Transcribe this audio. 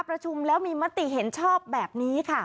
ประชุมแล้วมีมติเห็นชอบแบบนี้ค่ะ